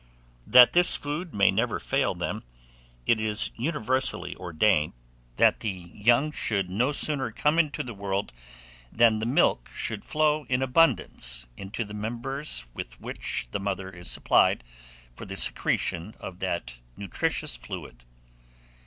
That this food may never fail them, it is universally ordained, that the young should no sooner come into the world, than the milk should flow in abundance into the members with which the mother is supplied for the secretion of that nutritious fluid.